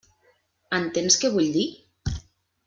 Entens què vull dir?